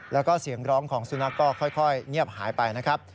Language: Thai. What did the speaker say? แล้วก็เสียงร้องของสุนัขก็ค่อยเงียบหายไปนะครับ